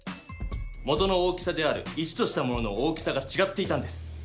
元の大きさである１としたものの大きさがちがっていたんです。